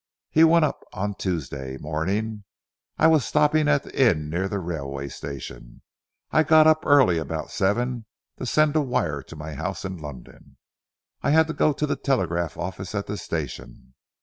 He went up on Tuesday morning. I was stopping at an inn near the railway station. I got up early about seven to send a wire to my house in London. I had to go to the telegraph office at the station.